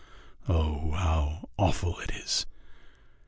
Oh, how awful it is!